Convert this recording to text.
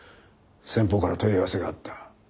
先方から問い合わせがあった。